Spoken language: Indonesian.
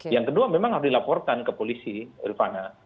yang kedua memang harus dilaporkan ke polisi rifana